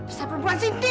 usah perempuan sintin